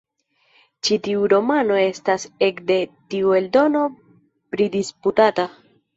Ĉi tiu romano estas ekde tiu eldono pridisputata.